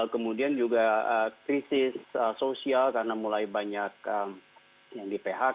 kemudian juga krisis sosial karena mulai banyak yang di phk